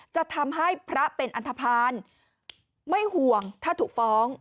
จะทำให้พระเป็นอันทภาณไม่ห่วงถ้าถูกฟ้อง